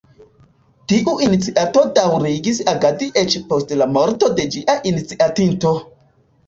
Tiu iniciato daŭrigis agadi eĉ post la morto de ĝia iniciatinto.